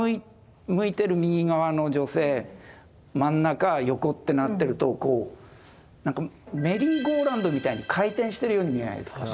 向いてる右側の女性真ん中横ってなってるとメリーゴーラウンドみたいに回転してるように見えないですか？